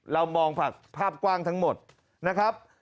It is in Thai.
เรามองภาพกว้างทั้งหมดนะครับ